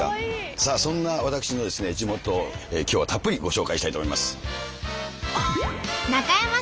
さあそんな私の地元を今日はたっぷりご紹介したいと思います。